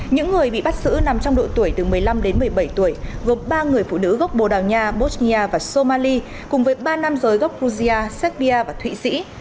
những người bị bắt giữ nằm trong độ tuổi từ một mươi năm đến một mươi bảy tuổi gồm ba người phụ nữ gốc bồ đào nha bosnia và somali cùng với ba nam giới gốc guzia serbia và thụy sĩ